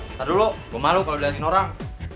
ntar dulu gue malu kalo diliatin orang